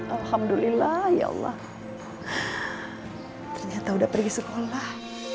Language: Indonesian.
alhamdulillah ya allah ternyata udah pergi sekolah